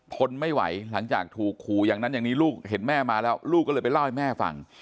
ทนไม่ไหวหลังจากถูกขู่อย่างนั้นอย่างนี้ลูกเห็นแม่มาแล้วลูกก็เลยไปเล่าให้แม่ฟัง